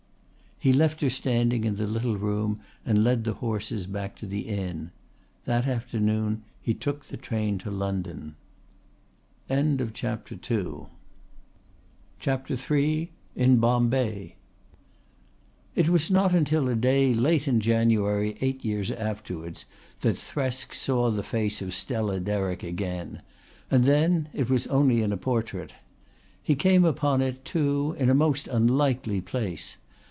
He left her standing in the little room and led the horses back to the inn. That afternoon he took the train to London. CHAPTER III IN BOMBAY It was not until a day late in January eight years afterwards that Thresk saw the face of Stella Derrick again; and then it was only in a portrait. He came upon it too in a most unlikely place.